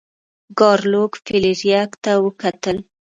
ګارلوک فلیریک ته وکتل.